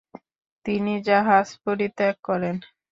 তিনি জাহাজ পরিত্যাগ করেন।